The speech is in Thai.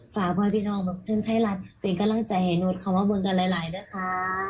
ฝากบ้านพี่น้องมาเพื่อนไทยลักษณ์เป็นกำลังใจให้โน้ตเขามาบนกันหลายหลายนะคะ